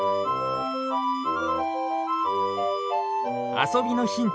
あそびのヒント